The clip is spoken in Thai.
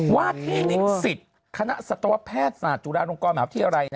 วาทินิสิทธิ์คณะศัตรวะแพทย์ศาสตร์จุฬาโรงกรมหาวิทยาลัย